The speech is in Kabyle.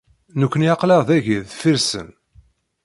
Nekkni aql-aɣ dagi deffir-sen.